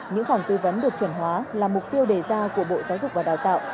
những phòng tư vấn được chuẩn hóa là mục tiêu đề ra của bộ giáo dục và đào tạo